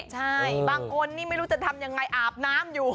ใช่บางคนนี่ไม่รู้จะทำยังไงอาบน้ำอยู่